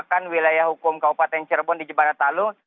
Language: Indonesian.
merupakan wilayah hukum kabupaten cirebon di jeparat talu